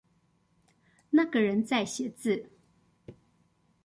那個人在寫字